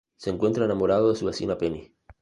Se encuentra enamorado de su vecina Penny.